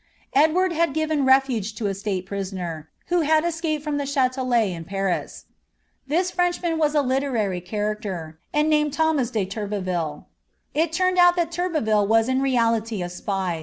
Edward had given refuge to a slate prisoner, who capcd from the ChStelei in Paris, This Frenrhiiuin was a literary da racter, and named Thomas de Tnrbeville. It tnmed ont thai TtiAcTSIt was in reality a spy.